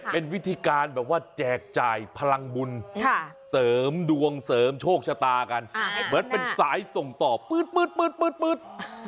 เป็นวิธีการแบบว่าแจกจ่ายพลังบุญเสริมดวงเสริมโชคชะตากันเหมือนเป็นสายส่งต่อปื๊ด